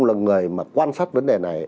học sách vấn đề này